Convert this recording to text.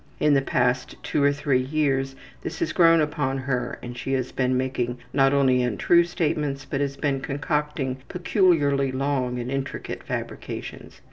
In the past two or three years this has grown upon her and she has been making not only untrue statements, but has been concocting peculiarly long and intricate fabrications.